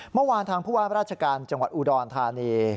เมื่อวานทางผู้ว่าราชการจังหวัดอุดรธานี